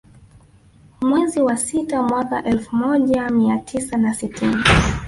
Mwezi wa sita mwaka elfu moja mia tisa na sitini